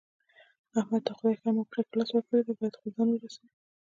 احمد ته خدای ښه موقع په لاس ورکړې ده، باید خپل ځان ورسوي.